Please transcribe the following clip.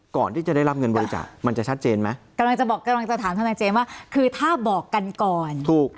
ก่อนที่จะได้รับเงินบริจาคมันจะชัดเจนไหมกำลังจะบอกกำลังจะถามทนายเจมส์ว่าคือถ้าบอกกันก่อนถูก